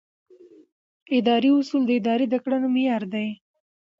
اداري اصول د ادارې د کړنو معیار دي.